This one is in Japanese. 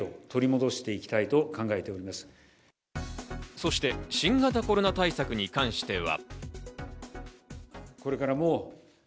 そして新型コロナ対策に関しては。